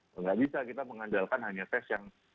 tidak bisa kita mengandalkan hanya tes yang